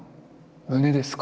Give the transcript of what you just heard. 胸ですか！